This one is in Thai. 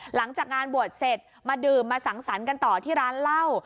หลังจากงานบวชเสร็จมาดื่มมาสังสรรค์กันต่อที่ร้านเหล้า